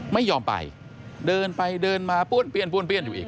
ไม่ยอมไปเดินไปเดินมาป้วนเปลี่ยนป้วนเปี้ยนอยู่อีก